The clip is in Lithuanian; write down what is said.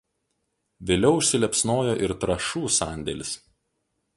Vėliau užsiliepsnojo ir trąšų sandėlis.